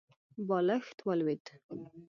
بالښت ولوېد.